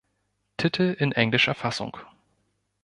Titel in englischer Fassung.